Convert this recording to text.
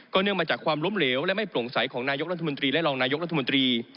เนื่องมาจากความล้มเหลวและไม่โปร่งใสของนายกรัฐมนตรีและรองนายกรัฐมนตรี